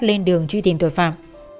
lên đường truy tìm tội phạm